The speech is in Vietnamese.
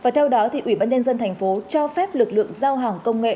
theo đó ủy ban nhân dân tp hcm cho phép lực lượng giao hàng công nghệ